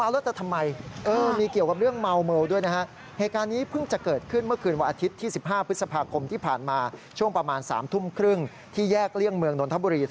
แล้วคุณดูจังหวะหนึ่งที่รถแท็กซี่กำลังจะกลับรถ